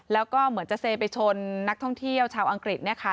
แล้วก็เหมือนจะเซไปชนนักท่องเที่ยวชาวอังกฤษเนี่ยค่ะ